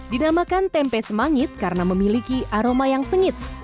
dinamakan tempe semangit karena memiliki aroma yang sengit